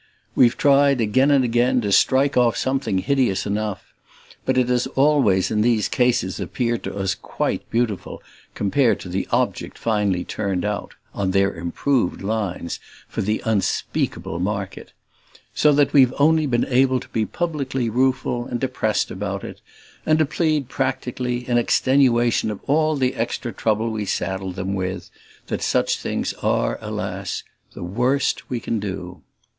We've tried again and again to strike off something hideous enough, but it has always in these cases appeared to us quite beautiful compared to the object finally turned out, on their improved lines, for the unspeakable market; so that we've only been able to be publicly rueful and depressed about it, and to plead practically, in extenuation of all the extra trouble we saddle them with, that such things are, alas, the worst we can do.